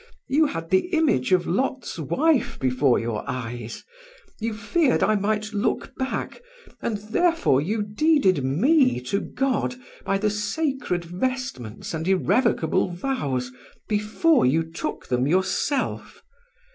You had the image of Lot's wife before your eyes; you feared I might look back, and therefore you deeded me to God by the sacred vestments and irrevocable vows before you took them yourself.